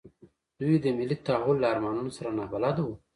دوی د ملي تحول له ارمانونو سره نابلده وو.